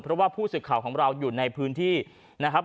เพราะว่าผู้สื่อข่าวของเราอยู่ในพื้นที่นะครับ